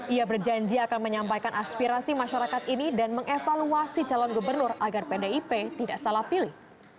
ia berjanji akan menyampaikan aspirasi masyarakat ini dan mengevaluasi calon gubernur agar pdip tidak salah pilih